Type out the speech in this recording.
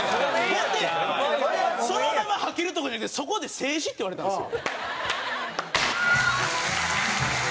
ほんでそのままはけるとかじゃなくてそこで静止って言われたんですよ。